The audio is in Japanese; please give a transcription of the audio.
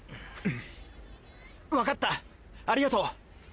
分かったありがとう。